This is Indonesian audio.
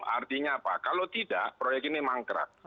artinya apa kalau tidak proyek ini memang keras